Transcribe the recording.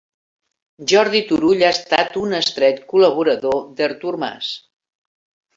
Jordi Turull ha estat un estret col·laborador d'Artur Mas